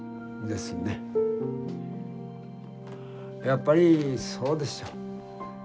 やっぱりそうでしょ。